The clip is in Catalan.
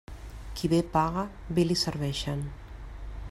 Qui bé paga, bé li serveixen.